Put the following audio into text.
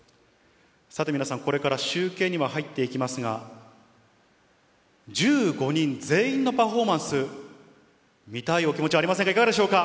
さて皆さん、これから集計には入っていきますが、１５人全員のパフォーマンス、見たいお気持ちありませんか？